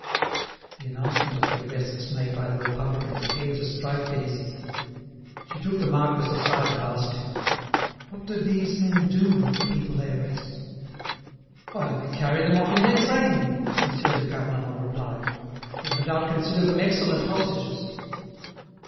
The announcement of the arrests made by the Republicans appeared to strike Félicité. She took the marquis aside and asked him: "What do these men do with the people they arrest?" "Why, they carry them off in their train," Monsieur de Carnavant replied. "They no doubt consider them excellent hostages."